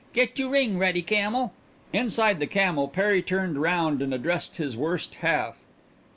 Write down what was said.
"Get you ring ready, camel." Inside the camel Perry turned round and addressed his worse half.